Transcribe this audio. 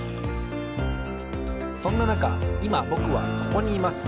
そんななかいまぼくはここにいます。